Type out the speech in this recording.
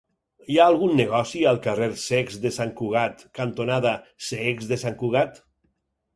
Hi ha algun negoci al carrer Cecs de Sant Cugat cantonada Cecs de Sant Cugat?